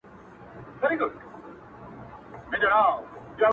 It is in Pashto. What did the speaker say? o یوه ورځ به دي چیچي، پر سپینو لېچو.